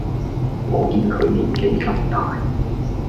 我見佢年紀咁大